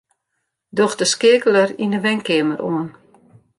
Doch de skeakeler yn 'e wenkeamer oan.